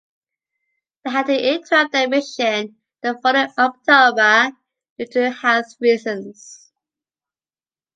They had to interrupt their mission the following October due to health reasons.